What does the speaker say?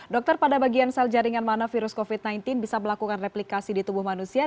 dokter pada bagian sel jaringan mana virus covid sembilan belas bisa melakukan replikasi di tubuh manusia